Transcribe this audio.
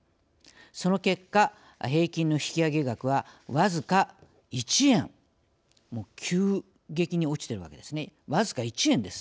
その結果、平均の引き上げ額はわずか１円急激に落ちているわけですねわずか１円です。